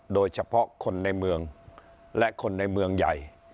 โดยเฉพาะคนในเมืองและคนในเมืองใหญ่